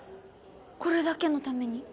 これだけのために？